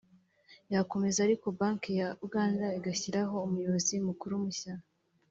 irakomeza ariko Banki ya Uganda igashyiraho Umuyobozi Mukuru mushya